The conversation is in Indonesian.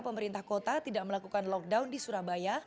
pemerintah kota tidak melakukan lockdown di surabaya